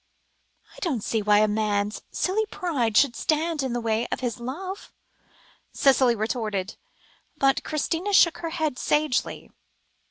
"I don't see why a man's silly pride should stand in the way of his love," Cicely retorted; but Christina shook her head sagely.